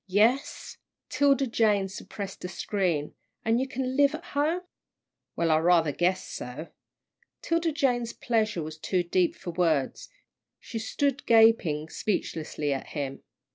"Yes." 'Tilda Jane suppressed a scream. "An' you can live at home?" "Well, I rather guess so." 'Tilda Jane's pleasure was too deep for words. She stood gaping speechlessly at him.